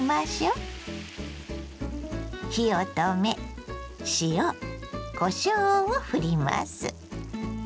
火を止め塩こしょうをふります。